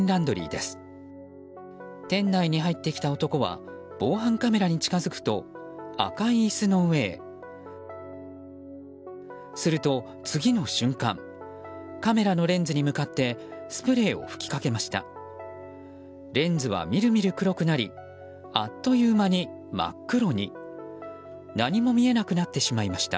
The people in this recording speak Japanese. すると、次の瞬間カメラのレンズに向かってスプレーを吹きかけました。